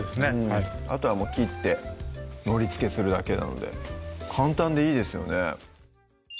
はいあとは切って盛りつけするだけなので簡単でいいですよね